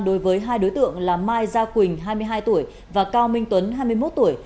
đối với hai đối tượng là mai gia quỳnh hai mươi hai tuổi và cao minh tuấn hai mươi một tuổi